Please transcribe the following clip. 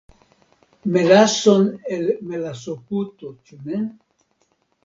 Melason el melasoputo, ĉu ne?